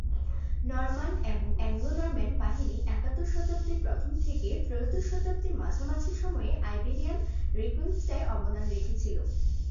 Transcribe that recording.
নর্মান এবং অ্যাংলো-নরম্যান বাহিনী একাদশ শতাব্দীর প্রথম থেকে ত্রয়োদশ শতাব্দীর মাঝামাঝি সময়ে আইবেরিয়ান রিকনকুইস্টায় অবদান রেখেছিল।